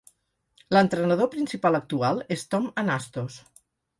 L'entrenador principal actual és Tom Anastos.